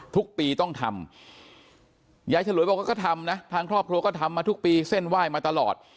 ทุกปีต้องทำยายฉลวยบอกว่าก็ทำนะทางครอบครัวก็ทำมาทุกปีเส้นไหว้มาตลอด